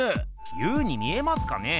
「Ｕ」に見えますかね？